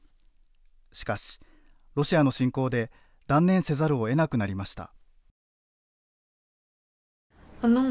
しかしロシアの侵攻で断念せざるをえなくなりました。